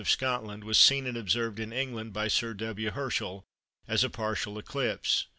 of Scotland, was seen and observed in England by Sir W. Herschel as a partial eclipse.